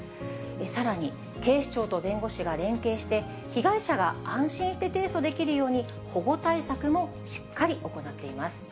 さらに、警視庁と弁護士が連携して、被害者が安心して提訴できるように、保護対策もしっかり行っています。